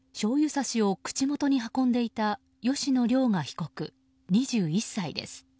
さしを口元に運んでいた吉野凌雅被告、２１歳です。